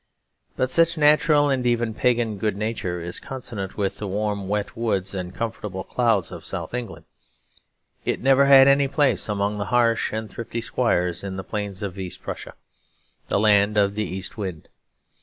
But such natural and even pagan good nature is consonant with the warm wet woods and comfortable clouds of South England; it never had any place among the harsh and thrifty squires in the plains of East Prussia, the land of the East Wind.